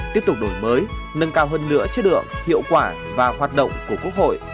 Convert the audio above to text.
tiếp tục đổi mới nâng cao hơn nữa chứa đựa hiệu quả và hoạt động của quốc hội